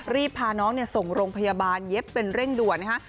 รีบพาน้องส่งโรงพยาบาลเย็บเป็นเร่งด่วนนะคะ